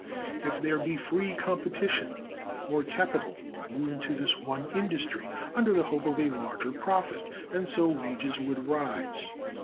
If there be free competition, more capital would move into this one industry under the hope of larger profits, and so wages would rise.